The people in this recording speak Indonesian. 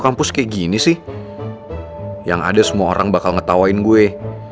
justru keliatan lucu buat gue